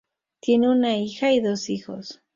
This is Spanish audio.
Tiene una hija y dos hijos